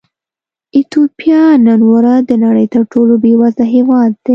ایتوپیا نن ورځ د نړۍ تر ټولو بېوزله هېواد دی.